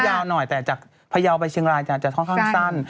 ยาวหน่อยแต่จากพยาวไปเชียงรายจะค่อนข้างสั้น